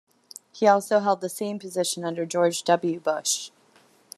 He also held the same position under George W. Bush.